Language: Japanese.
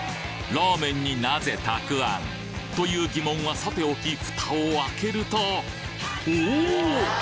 ラーメンになぜたくあん？という疑問はさておきフタを開けるとおぉ！